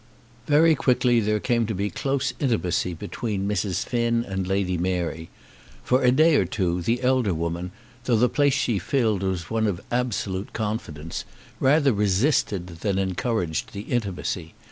Very quickly there came to be close intimacy between Mrs. Finn and Lady Mary. For a day or two the elder woman, though the place she filled was one of absolute confidence, rather resisted than encouraged the intimacy.